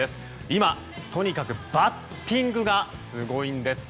今、とにかくバッティングがすごいんです。